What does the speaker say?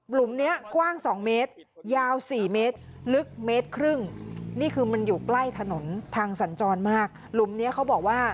หลุมนี้กว้าง๒เมตรยาว๔เมตรลึก๑๕เมตร